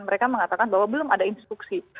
mereka mengatakan bahwa belum ada instruksi